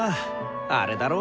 あれだろ？